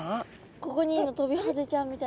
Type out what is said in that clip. ここにいるのトビハゼちゃんみたい。